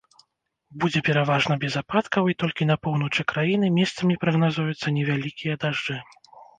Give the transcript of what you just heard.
Будзе пераважна без ападкаў і толькі на поўначы краіны месцамі прагназуюцца невялікія дажджы.